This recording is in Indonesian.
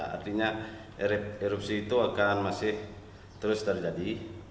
artinya erupsi itu akan masih terus terjadi